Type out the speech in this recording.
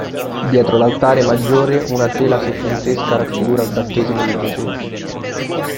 Dietro l'altare maggiore una tela seicentesca raffigura il "Battesimo di Gesù".